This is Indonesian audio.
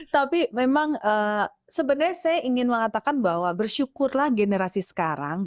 tapi memang sebenarnya saya ingin mengatakan bahwa bersyukurlah generasi sekarang